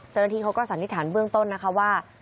เจ้าหน้าที่เขาก็สันนิษฐานเบื้องต้นนะคะว่า